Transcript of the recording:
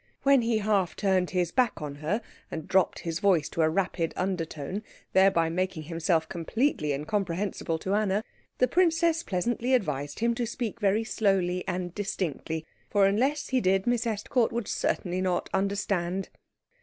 When he half turned his back on her and dropped his voice to a rapid undertone, thereby making himself completely incomprehensible to Anna, the princess pleasantly advised him to speak very slowly and distinctly, for unless he did Miss Estcourt would certainly not understand.